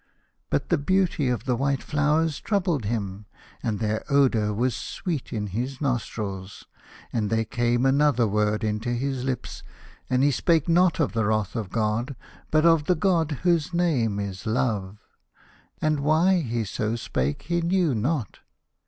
But the beauty of the white flowers troubled him, and their odour was sweet in his nostrils, and there came another word into his lips, and he spake not of the wrath of God, but of the God whose name is Love. And why he so spake, he knew not.